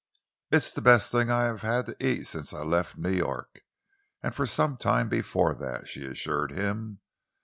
"It's the best thing I've had to eat since I left New York, and for some time before that," she assured him.